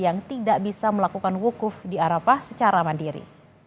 yang tidak bisa melakukan wukuf di arafah secara mandiri